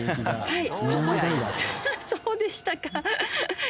そうでしたか。